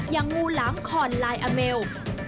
อย่างงูหลามคอนลายอาเมล